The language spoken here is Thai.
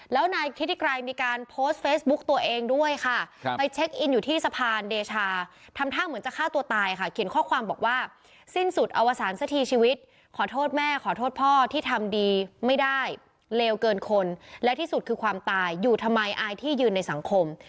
แล้วนายทิศิกรัยมีการโพสต์เฟซบุ๊กตัวเองด้วยค่ะไปเช็คอินอยู่ที่สะพานเดชาทำท่าเหมือนจะฆ่าตัวตายค่ะเขียนข้อความบอกว่าสิ้นสุดอวสารสักทีชีวิตขอโทษแม่ขอโทษพ่อที่ทำดีไม่ได้เลวเกินคนและที่สุดคือความตายอยู่ทำไมอายที่ยืนในสังคม